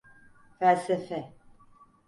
Felsefe.